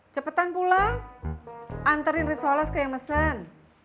cepetan pulang anterin risoles ke yang mesen